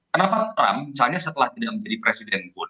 kenapa trump misalnya setelah tidak menjadi presiden pun